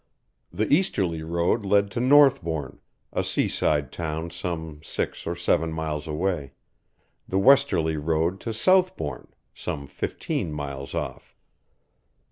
The easterly road led to Northbourne, a sea side town some six or seven miles away, the westerly road to Southbourne, some fifteen miles off.